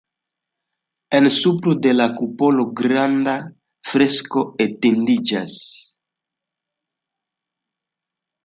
En supro de la kupolo granda fresko etendiĝas.